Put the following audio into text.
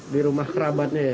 di rumah kerabatnya ya